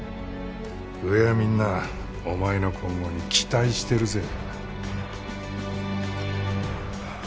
上はみんなお前の今後に期待してるぜ。